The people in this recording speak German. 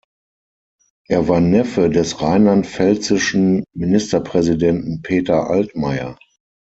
Er war Neffe des rheinland-pfälzischen Ministerpräsidenten Peter Altmeier.